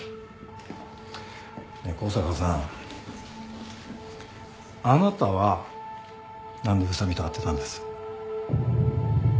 ねえ香坂さんあなたは何で宇佐美と会ってたんです？